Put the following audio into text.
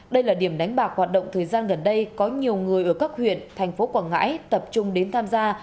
đây là điểm đánh bạc hoạt động thời gian gần đây có nhiều người ở các huyện thành phố quảng ngãi tập trung đến tham gia